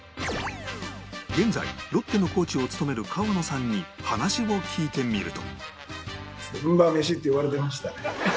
現在ロッテのコーチを務める河野さんに話を聞いてみると